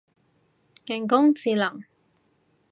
人工智能